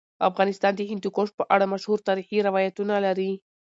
افغانستان د هندوکش په اړه مشهور تاریخی روایتونه لري.